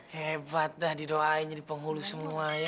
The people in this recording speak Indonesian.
hebat dah didoainya di penghulu semua ya